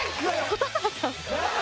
蛍原さん。